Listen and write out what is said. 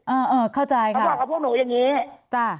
เออเออเข้าใจเขาบอกกับพวกหนูอย่างงี้จ้ะ